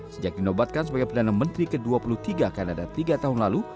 sejak dinobatkan sebagai perdana menteri ke dua puluh tiga kanada tiga tahun lalu